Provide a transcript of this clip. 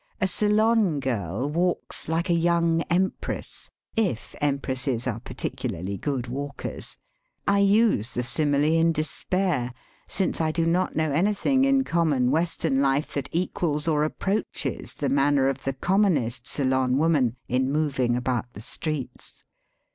A Ceylon girl walks like a young empress, if empresses are particularly good walkers. I use the simile in despair, since I do not know anything in common Western life that equals or approaches the manner of the commonest Ceylon woman in moving about the streets.